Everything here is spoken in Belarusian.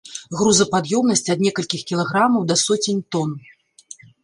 Грузапад'ёмнасць ад некалькіх кілаграмаў да соцень тон.